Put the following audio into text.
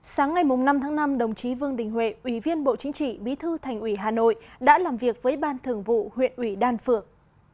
sáng ngày năm tháng năm đồng chí vương đình huệ ủy viên bộ chính trị bí thư thành ủy hà nội đã làm việc với ban thường vụ huyện ủy đan phượng